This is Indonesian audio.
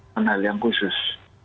menal yang khusus